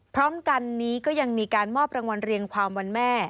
พร้อมกันนี้ก็ยังมีการมอบรางวัลเรียงความวันแม่